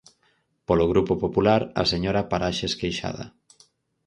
Polo Grupo Popular, a señora Paraxes Queixada.